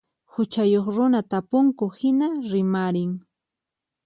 Huchayuq runa tapunku hina rimarin.